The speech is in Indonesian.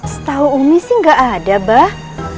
setahu umi sih gak ada bah